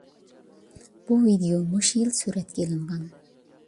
بۇ ۋىدىيو مۇشۇ يىل سۈرەتكە ئېلىنغان.